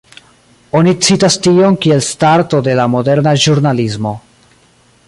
Oni citas tion kiel starto de la moderna ĵurnalismo.